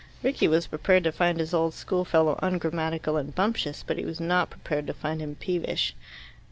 Rickie was prepared to find his old schoolfellow ungrammatical and bumptious, but he was not prepared to find him peevish.